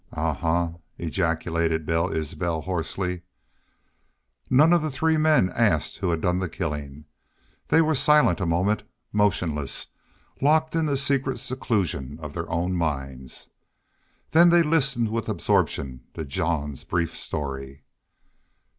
"A huh!" ejaculated Bill Isbel, hoarsely. Not one of the three men asked who had done the killing. They were silent a moment, motionless, locked in the secret seclusion of their own minds. Then they listened with absorption to Jean's brief story.